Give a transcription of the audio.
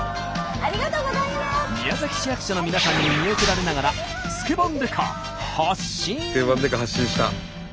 宮崎市役所の皆さんに見送られながら「スケバン刑事」発進した。